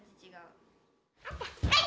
はい！